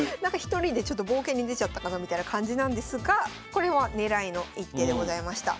１人で冒険に出ちゃったかなみたいな感じなんですがこれは狙いの一手でございました。